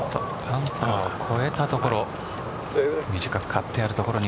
バンカーを越えた所短く刈ってあるところに